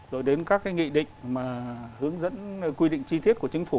rồi đến các cái nghị định mà hướng dẫn quy định chi tiết của chính phủ